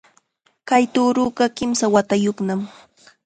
Kay tuuruqa kimsa watayuqnam